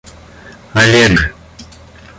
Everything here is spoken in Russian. Олег